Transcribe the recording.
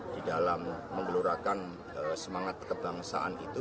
di dalam menggelurakan semangat kebangsaan itu